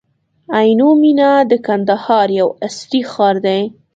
عینو مېنه د کندهار یو عصري ښار دی.